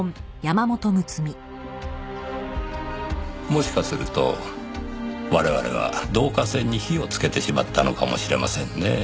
もしかすると我々は導火線に火をつけてしまったのかもしれませんねぇ。